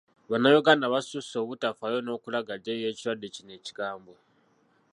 Bannayuganda basusse obutafaayo n’okulagajjalira ekirwadde kino ekikambwe.